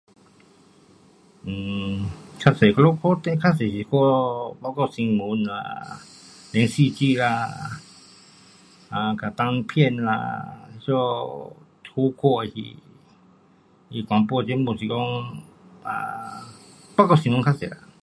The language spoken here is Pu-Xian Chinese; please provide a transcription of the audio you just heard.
um 较多是，我们看电视较多是看报告新闻啦，连续剧啦，啊，跟单片啦，so 这久看戏，它广播节目是讲报告新闻较多啦。